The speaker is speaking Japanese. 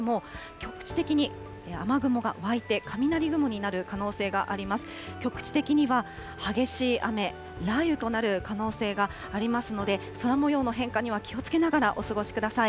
局地的には、激しい雨、雷雨となる可能性がありますので、空もようの変化には気をつけながらお過ごしください。